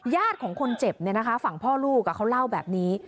ญาติของคนเจ็บฝั่งพ่อลูกเขาเล่าแบบนี้